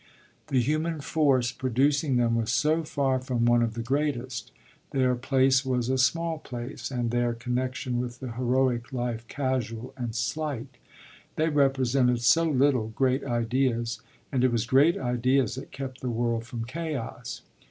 The human force producing them was so far from one of the greatest; their place was a small place and their connexion with the heroic life casual and slight. They represented so little great ideas, and it was great ideas that kept the world from chaos.